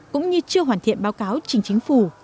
cũng như chưa hoàn thiện báo cáo trình chính phủ